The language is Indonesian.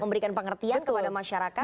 memberikan pengertian kepada masyarakat